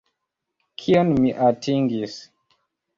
Kion mi atingis?